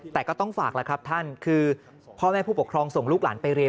แต่ก็ต้องฝากแล้วครับท่านคือพ่อแม่ผู้ปกครองส่งลูกหลานไปเรียน